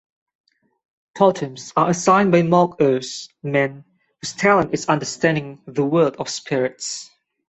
Totems are assigned by "Mog-ur"s, men whose talent is understanding the world of spirits.